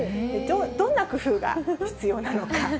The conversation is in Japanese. どんな工夫が必要なのか。